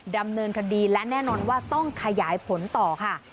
ดำเนินคดีและแน่นอนว่าต้องขยายผลต่อค่ะ